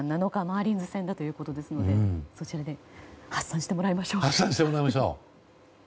マーリンズ戦だということですのでそちらで発散してもらいましょうか！